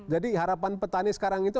jadi harapan petani sekarang itu